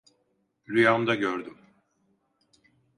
Rüyamda gördüm.